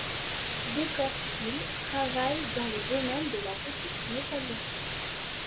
Dekor stil travaille dans le domaine de la petite métallurgie.